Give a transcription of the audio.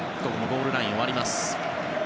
ゴールラインを割ります。